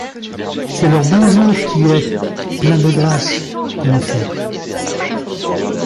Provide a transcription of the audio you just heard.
C’est leur bonjour, qui est « plein de grâce » en effet.